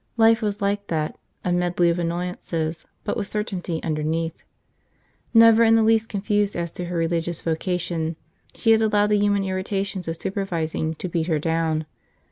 Life was like that, a medley of annoyances but with certainty underneath. Never in the least confused as to her religious vocation, she had allowed the human irritations of supervising to beat her down.